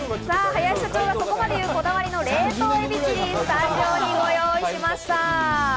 林社長がそこまで言う冷凍エビチリ、スタジオにご用意しました。